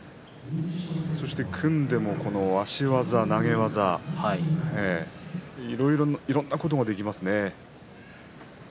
そして組んでも足技、投げ技いろんなことができますね。